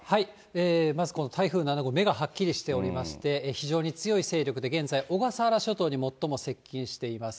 まずこの台風７号、目がはっきりしておりまして、非常に強い勢力で現在、小笠原諸島に最も接近しています。